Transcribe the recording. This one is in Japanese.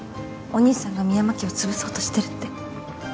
お兄さんが深山家をつぶそうとしてるって。